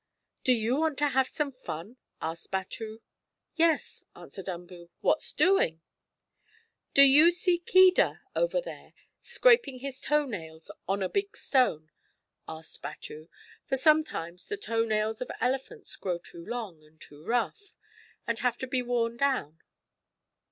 "Do you want to have some fun?" asked Batu. "Yes," answered Umboo. "What doing?" "Do you see Keedah over there, scraping his toe nails on a big stone?" asked Batu, for sometimes the toe nails of elephants grow too long and too rough, and have to be worn down.